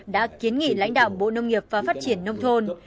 đã kiến nghị lãnh đạo bộ nông nghiệp và phát triển nông thôn